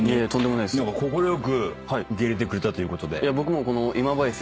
何か快く受け入れてくれたということで。